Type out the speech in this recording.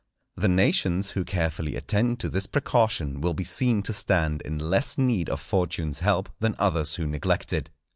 The nations who carefully attend to this precaution will be seen to stand in less need of Fortune's help than others who neglect it.